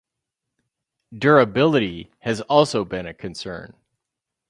Durability has also been a concern.